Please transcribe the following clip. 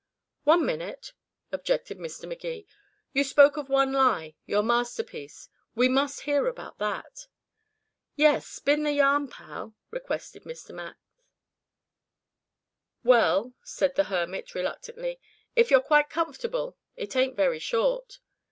"One minute," objected Mr. Magee. "You spoke of one lie your masterpiece. We must hear about that." "Yes spin the yarn, pal," requested Mr. Max. "Well," said the hermit reluctantly, "if you're quite comfortable it ain't very short."